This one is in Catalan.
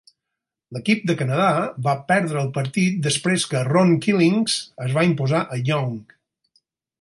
L'equip de Canadà va perdre el partit després que Ron Killings es va imposar a Young.